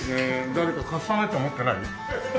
誰かカスタネット持ってない？